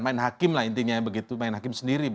main hakim lah intinya begitu main hakim sendiri